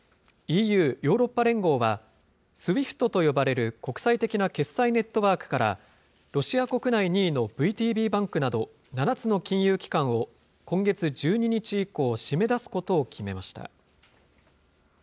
ＥＵ・ヨーロッパ連合は、ＳＷＩＦＴと呼ばれる国際的な決済ネットワークから、ロシア国内２位のＶＴＢバンクなど、７つの金融機関を今月１２日以降、締め出すことを決めました。